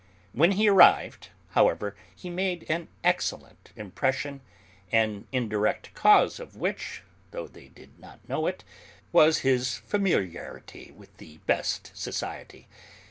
When he arrived, however, he made an excellent impression, an indirect cause of which, though they did not know it, was his familiarity with the best society.